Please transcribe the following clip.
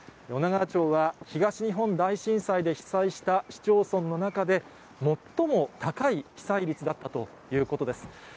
女川町は、東日本大震災で被災した市町村の中で、最も高い被災率だったということです。